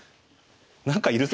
何かいるぞ！